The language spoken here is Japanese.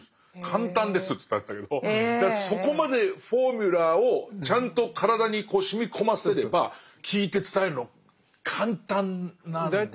簡単ですって言ったんだけどそこまで「フォーミュラ」をちゃんと体にしみこませれば聞いて伝えるの簡単なんでしょうね。